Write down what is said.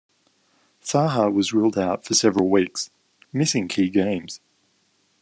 Saha was ruled out for several weeks, missing key games.